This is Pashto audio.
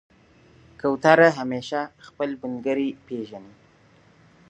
کوتره همیشه خپل ملګری پېژني.